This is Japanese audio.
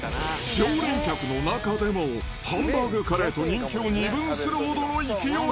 常連客の中でも、ハンバーグカレーと人気を二分するほどの勢い。